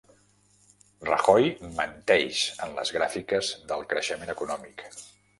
Rajoy menteix en les gràfiques del creixement econòmic